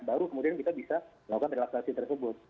baru kemudian kita bisa melakukan relaksasi tersebut